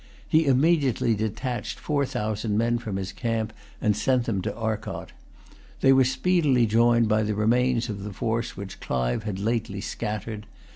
He immediately detached four thousand men from his camp, and sent them to Arcot. They were speedily joined by the remains of the force which Clive had lately scattered.